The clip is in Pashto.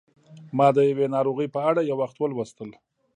ما د یوې ناروغۍ په اړه یو وخت لوستل